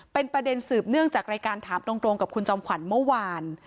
เป็นประเด็นสืบเนื่องจากรายการถามตรงกับคุณจอมขวัญเมื่อวาน